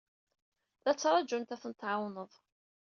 La ttṛajunt ad tent-tɛawned.